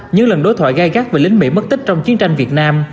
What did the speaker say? những lần đối thoại gai gắt về lính mỹ mất tích trong chiến tranh việt nam